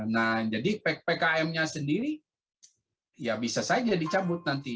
nah jadi pkmnya sendiri ya bisa saja dicabut nanti